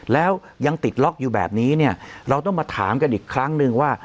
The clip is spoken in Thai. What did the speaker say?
แล้วยังติดล็อกอยู่แบบนี้เนี่ยเราต้องมาถามกันอีกครั้งหนึ่งว่า